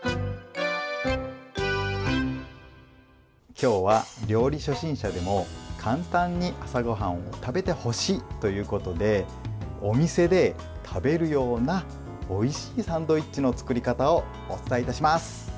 今日は料理初心者でも簡単に朝ごはんを食べてほしいということでお店で食べるようなおいしいサンドイッチの作り方をお伝えいたします。